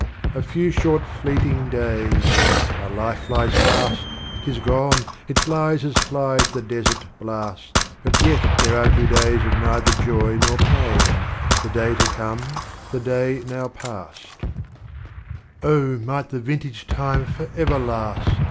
8 XXIV. A few short Fleeting Days, — our Life flies fast, 'Tis gone, it flies as flies the Desert blast, But yet there are two days of neither Joy Nor Pain, the Day to come, the Day now past. Strophes of Omar Khayyam. 11 XXV. Oh, might the Vintage Time forever last